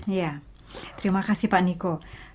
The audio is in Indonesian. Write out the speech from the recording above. iya terima kasih pak niko